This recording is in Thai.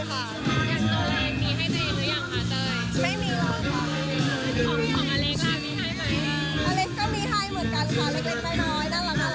อเล็กเขาให้ทุกคนมีแบบสุขภัยไหมคะหรือเปล่าว่าให้คนกันติดเลย